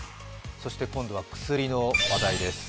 そして今度は薬の話題です。